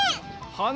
はな